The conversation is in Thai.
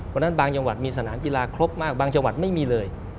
เพราะฉะนั้นบางจังหวัดมีสนามกีฬาครบมากบางจังหวัดไม่มีเลย